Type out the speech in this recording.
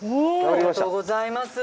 ありがとうございます。